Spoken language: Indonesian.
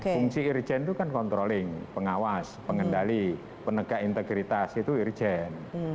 fungsi irjen itu kan kontrolling pengawas pengendali penegak integritas itu irjen